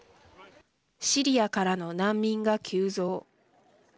シリアからの難民が急増。